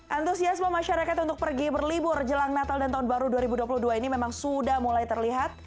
antusiasme masyarakat untuk pergi berlibur jelang natal dan tahun baru dua ribu dua puluh dua ini memang sudah mulai terlihat